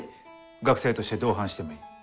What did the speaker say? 学生として同伴してもいい。